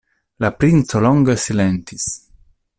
La princo longe silentis.